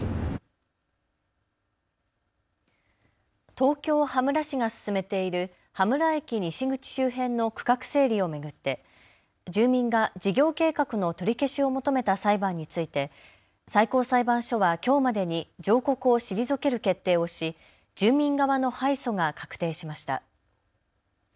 東京羽村市が進めている羽村駅西口周辺の区画整理を巡って住民が事業計画の取り消しを求めた裁判について最高裁判所はきょうまでに上告を退ける決定をし住民側の敗訴が確定しました。